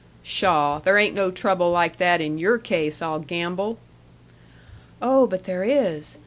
"Pshaw. There ain't no trouble like that in your case, I'll gamble!" "Oh, but there is.